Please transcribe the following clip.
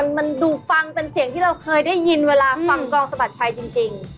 มันดูฟังเป็นเสียงที่เราเคยได้ยินเวลาฟังกองสะบัดชัยจริง